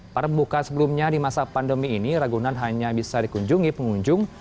pada pembukaan sebelumnya di masa pandemi ini ragunan hanya bisa dikunjungi pengunjung